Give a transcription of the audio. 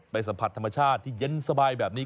สัมผัสธรรมชาติที่เย็นสบายแบบนี้